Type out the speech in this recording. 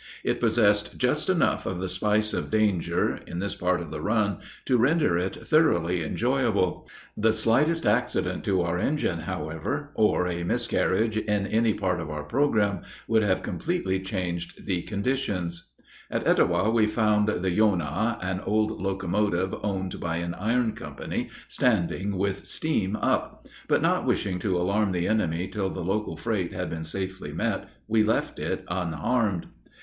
It possessed just enough of the spice of danger, in this part of the run, to render it thoroughly enjoyable. The slightest accident to our engine, however, or a miscarriage in any part of our program, would have completely changed the conditions. At Etowah we found the "Yonah," an old locomotive owned by an iron company, standing with steam up; but not wishing to alarm the enemy till the local freight had been safely met, we left it unharmed.